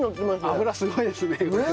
脂すごいですねこれ。